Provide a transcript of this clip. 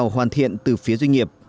hoàn thiện từ phía doanh nghiệp